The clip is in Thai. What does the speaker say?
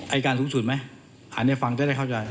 อายการสูงสุดไหมอันนี้ฟังจะได้เข้าใจ